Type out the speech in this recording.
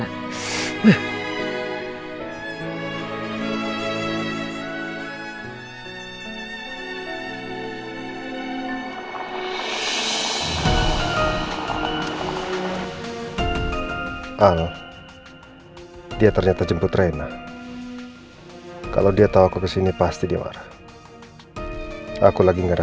al dia ternyata jemput reyna kalau dia tahu aku kesini pasti dia marah aku lagi nggak ada